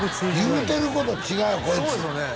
言うてること違うこいつそうですよね